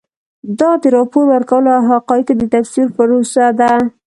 دا د راپور ورکولو او حقایقو د تفسیر پروسه ده.